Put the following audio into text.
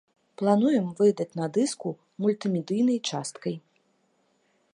Плануем выдаць на дыску мультымедыйнай часткай.